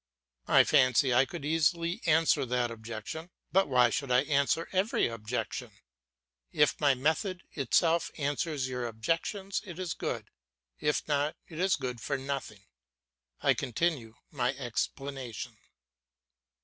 I fancy I could easily answer that objection, but why should I answer every objection? If my method itself answers your objections, it is good; if not, it is good for nothing. I continue my explanation.